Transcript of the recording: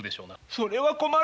それは困る！